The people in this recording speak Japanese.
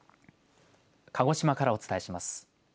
鹿児島からお伝えします。